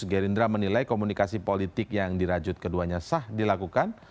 gerindra menilai komunikasi politik yang dirajut keduanya sah dilakukan